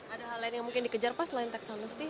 ada hal lain yang mungkin dikejar pak selain teks amnesty